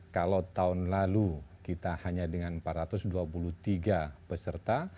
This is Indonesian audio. kalau tahun lalu kita hanya dengan empat ratus dua puluh tiga peserta